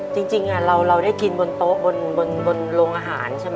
จริงเราได้กินบนโต๊ะบนโรงอาหารใช่ไหม